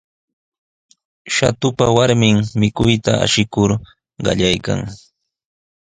Shatupa warmin mikuyta ashikur qallaykan.